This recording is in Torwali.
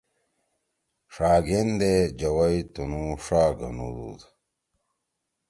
ڜاگھین دے جوَئی تُنُو ڜا گھنُودُود۔